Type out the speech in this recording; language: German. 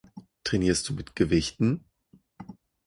Trainierst du mit Gewichten?